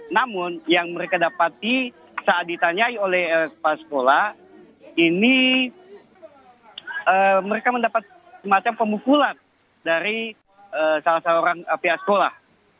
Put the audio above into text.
namun yang mereka dapati saat ditanyai oleh kepala sekolah ini mereka mendapat semacam pemukulan dari salah seorang pihak sekolah